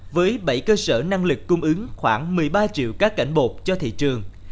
với bảy cơ sở năng lực cung ứng khoảng một mươi ba triệu cá cảnh bột cho thị trường